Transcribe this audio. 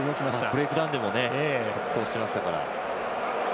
ブレイクダウンでも格闘しましたから。